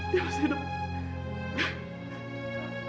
dia masih hidup